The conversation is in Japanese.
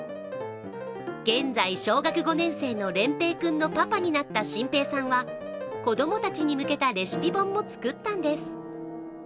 現在、小学５年生の廉平君のパパになった心平さんは子どもたちに向けたレシピ本も作ったんです。